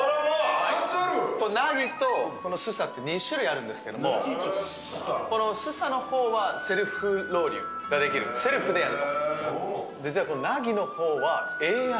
これ、なぎとすさって２種類あるんですけど、この荒のほうはセルフロウリュができる、セルフでやる。